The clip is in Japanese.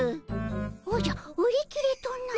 おじゃ売り切れとな。